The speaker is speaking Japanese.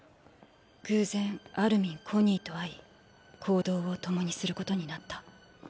偶然アルミンコニーと会い行動を共にすることになった。